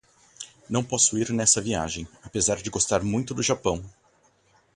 Não posso ir nessa viagem, apesar de gostar muito do Japão.